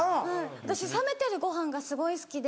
私冷めてるご飯がすごい好きで。